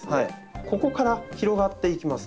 ここから広がっていきます。